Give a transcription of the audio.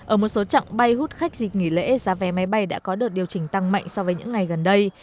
ở một số trạng bay hút khách dịch nghỉ lễ giá vé máy bay đã có được điều chỉnh tăng mạnh so với những ngày gần đây